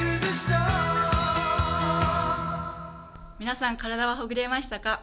皆さん、体はほぐれましたか？